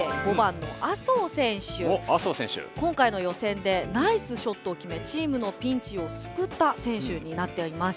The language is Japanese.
まずは今回の予選でナイスショットを決めチームのピンチをすくった選手になっています。